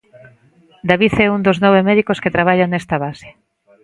David é un dos nove médicos que traballan nesta base.